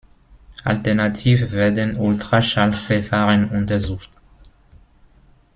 Alternativ werden Ultraschall-Verfahren untersucht.